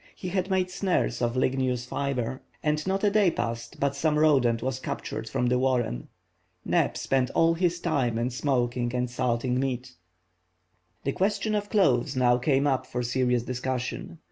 He had made snares of ligneous fibre, and not a day passed but some rodent was captured from the warren. Neb spent all his time in smoking and salting meat. The question of clothes now came up for serious discussion.